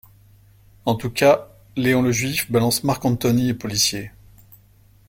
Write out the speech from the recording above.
En tous cas, Léon le Juif balance Marcantoni aux policiers.